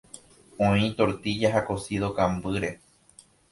Oĩ tortilla ha cocido kambýre.